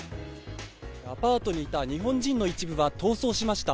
アパートにいた日本人の一部が逃走しました。